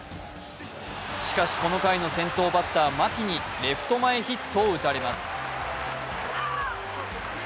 しかし、この回の先頭バッター・牧にレフト前ヒットを打たれます。